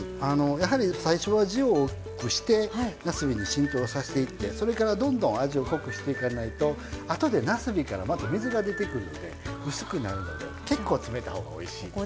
やはり最初は汁を多くしてなすびに浸透させていってそれからどんどん味を濃くしていかないとあとでなすびからまた水が出てくるので薄くなるので結構詰めたほうがおいしいですね。